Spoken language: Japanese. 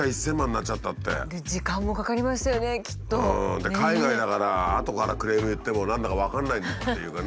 で海外だからあとからクレーム言っても何だか分かんないっていうかね。